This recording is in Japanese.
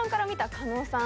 加納さん